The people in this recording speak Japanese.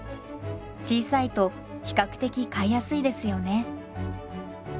小さいと比較的飼いやすいですよね。